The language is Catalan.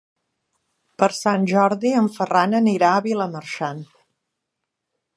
Per Sant Jordi en Ferran anirà a Vilamarxant.